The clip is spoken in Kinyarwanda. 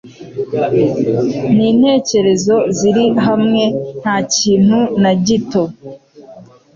n’intekerezo ziri hamwe. Nta kintu na gito